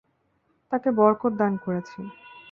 তাকে বরকত দান করেছি।